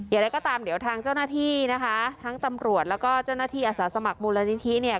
อย่างไรก็ตามเดี๋ยวทางเจ้าหน้าที่นะคะทั้งตำรวจแล้วก็เจ้าหน้าที่อาสาสมัครมูลนิธิเนี่ย